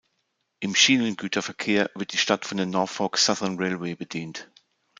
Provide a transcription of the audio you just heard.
Im Schienengüterverkehr wird die Stadt von der Norfolk Southern Railway bedient.